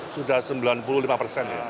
sudah sembilan puluh lima persen ya